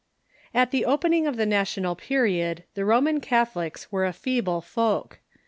] At the opening of the National Period the Roman Catholics were a feeble folk.